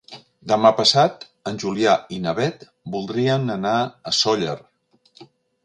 Demà passat en Julià i na Beth voldrien anar a Sóller.